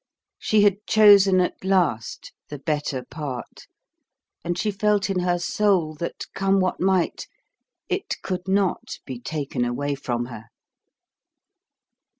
She had chosen at last the better part, and she felt in her soul that, come what might, it could not be taken away from her.